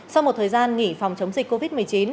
sau một thời gian nghỉ phòng chống dịch covid một mươi chín